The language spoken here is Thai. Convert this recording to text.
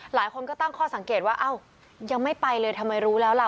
หลายคนก็ตั้งข้อสังเกตว่าอ้าวยังไม่ไปเลยทำไมรู้แล้วล่ะ